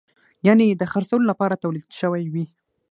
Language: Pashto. یعنې د خرڅولو لپاره تولید شوی وي.